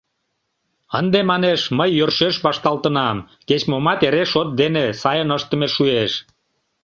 Ынде, манеш, мый йӧршеш вашталтынам: кеч-момат эре шот дене, сайын ыштыме шуэш.